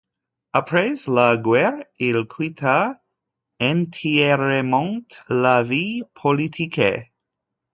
Après la guerre, il quitta entièrement la vie politique.